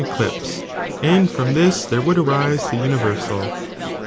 eclipse, and from this there would arise the uni versal.'